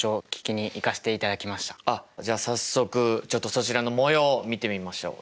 あっじゃあ早速ちょっとそちらのもようを見てみましょう。